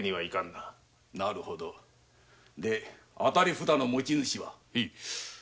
なるほどで当たり札の持ち主は？